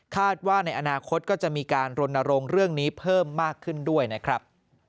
ว่าในอนาคตก็จะมีการรณรงค์เรื่องนี้เพิ่มมากขึ้นด้วยนะครับ